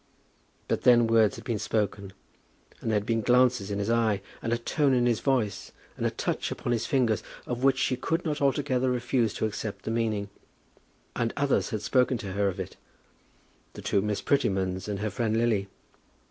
But then words had been spoken, and there had been glances in his eye, and a tone in his voice, and a touch upon his fingers, of which she could not altogether refuse to accept the meaning. And others had spoken to her of it, the two Miss Prettymans and her friend Lily.